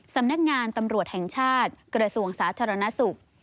สำนักงานตำรวจแห่งชาติกระทรวงสาธารณสุข